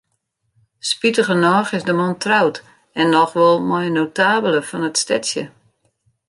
Spitigernôch is de man troud, en noch wol mei in notabele fan it stedsje.